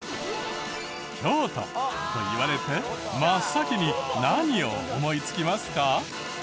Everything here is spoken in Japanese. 京都と言われて真っ先に何を思いつきますか？